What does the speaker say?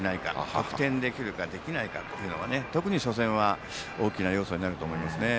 得点できるかできないかというのは特に初戦は大きな要素になると思いますね。